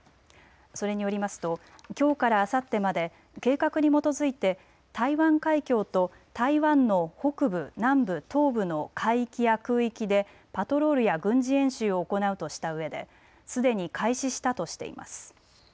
それによりますときょうからあさってまで計画に基づいて台湾海峡と台湾の北部、南部、東部の海域や空域でパトロールや軍事演習を行うとしたうえですでに開始したとしています。